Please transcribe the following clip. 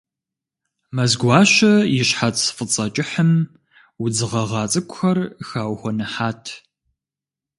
Мэзгуащэ и щхьэц фӏыцӏэ кӏыхьым удз гъэгъа цӏыкӏухэр хэухуэныхьат.